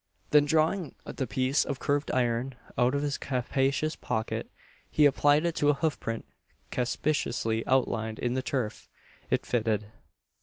Then drawing the piece of curved iron out of his capacious pocket, he applied it to a hoof print conspicuously outlined in the turf. It fitted.